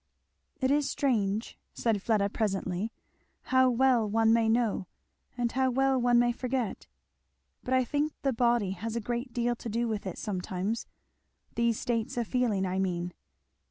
"It is strange," said Fleda presently, "how well one may know and how well one may forget. But I think the body has a great deal to do with it sometimes these states of feeling, I mean."